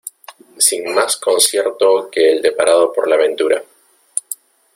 sin más concierto que el deparado por la ventura.